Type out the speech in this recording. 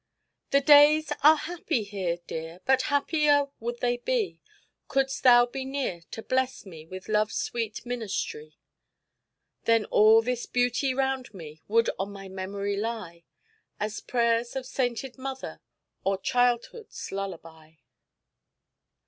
The days are happy here, dear, But happier would they be Could'st thou be near to bless me With love's sweet ministry; Then all this beauty round me Would on my memory lie, As prayers of sainted mother, Or childhood's lullaby.